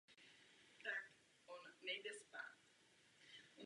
Zimní období přežívá skrytě ve vodě pod kameny.